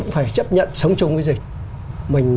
phải chấp nhận sống chung với dịch